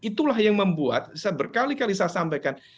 itulah yang membuat saya berkali kali saya sampaikan